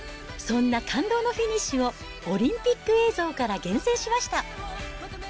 そんな感動のフィニッシュを、オリンピック映像から厳選しました。